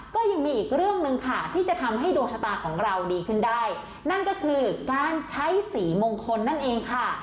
ก็ยังมีอีกเรื่องหนึ่งค่ะที่จะทำให้ดวงชะตาของเราดีขึ้นได้นั่นก็คือการใช้สีมงคลนั่นเองค่ะ